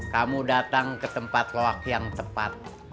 kamu datang ke tempat loak yang tepat